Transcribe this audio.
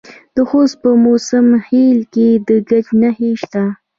د خوست په موسی خیل کې د ګچ نښې شته.